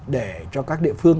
để cho các địa phương